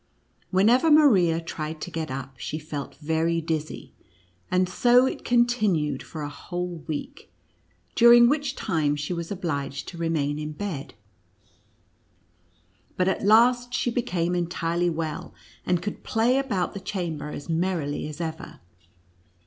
Whenever Maria tried to get uj3, she felt very dizzy, and so it continued for a whole week, during which time she was obliged to remain in bed ; but at last she became entirely well, and could play about the chamber as merrily as ever.